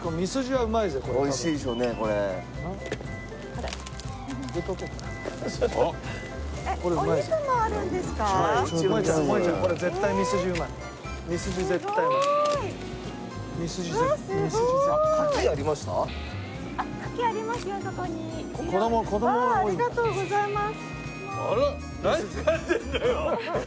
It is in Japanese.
うわあありがとうございます。